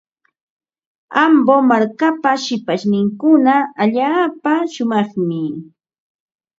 Ambo markapa shipashninkuna allaapa shumaqmi.